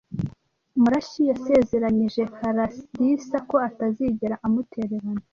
Murashyi yasezeranyije Kalarisa ko atazigera amutererana.